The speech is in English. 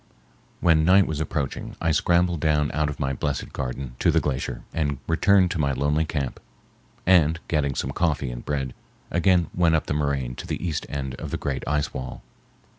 When night was approaching I scrambled down out of my blessed garden to the glacier, and returned to my lonely camp, and, getting some coffee and bread, again went up the moraine to the east end of the great ice wall.